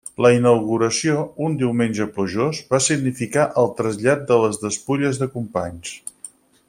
La inauguració, un diumenge plujós, va significar el trasllat de les despulles de Companys.